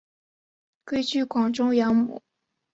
归居广州养母。